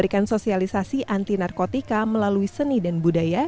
dan sosialisasi anti narkotika melalui seni dan budaya